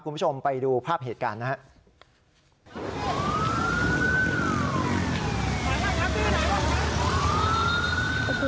คุณผู้ชมไปดูภาพเหตุการณ์นะครับ